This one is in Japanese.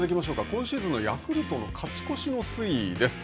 今シーズンのヤクルトの勝ち越しの推移です。